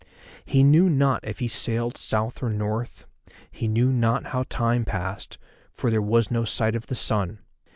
He knew not if he sailed South or North, he knew not how time passed, for there was no sight of the sun.